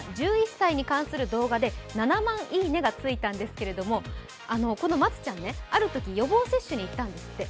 １１歳に関する動画で７万いいねがついたんですが、このまつちゃん、あるとき予防接種を受けたんですって。